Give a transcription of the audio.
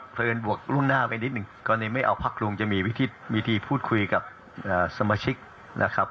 เลินบวกล่วงหน้าไปนิดหนึ่งกรณีไม่เอาพักลุงจะมีวิธีพูดคุยกับสมาชิกนะครับ